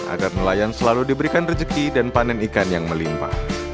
agar nelayan selalu diberikan rezeki dan panen ikan yang melimpa